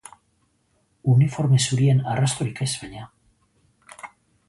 Uniforme zurien arrastorik ez, baina.